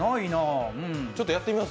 ちょっとやってみます？